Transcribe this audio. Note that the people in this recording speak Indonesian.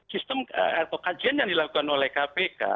sistem atau kajian yang dilakukan oleh kpk